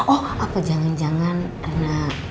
oh apa jangan jangan karena